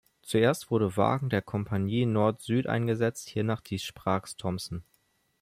Zuerst wurde Wagen der Compagnie Nord-Sud eingesetzt, hiernach die Spragues-Thompson.